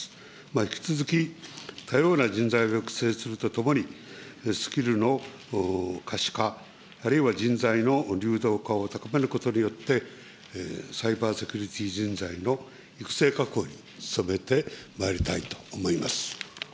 引き続き多様な人材を育成するとともに、スキルの可視化、あるいは人材の流動化を高めることによって、サイバーセキュリティー人材の育成確保に努めてまいりたいと思い